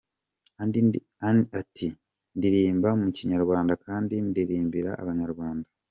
Ati “ Ndirimba mu Kinyarwanda kandi ndirimbira Abanyarwanda.